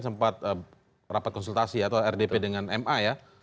sempat rapat konsultasi atau rdp dengan ma ya